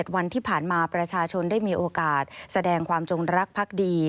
วันที่ผ่านมาประชาชนได้มีโอกาสแสดงความจงรักพักดี